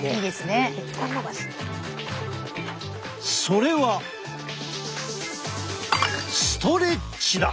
それはストレッチだ。